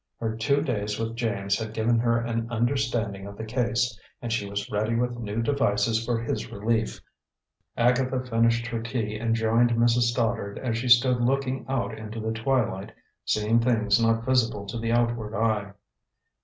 Her two days with James had given her an understanding of the case, and she was ready with new devices for his relief. Agatha finished her tea and joined Mrs. Stoddard as she stood looking out into the twilight, seeing things not visible to the outward eye.